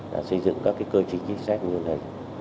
đã xây dựng các cơ chế chính sách như là